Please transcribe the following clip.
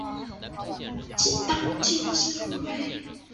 当今社会